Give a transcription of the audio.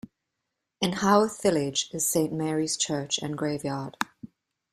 In Howth village is Saint Mary's Church and graveyard.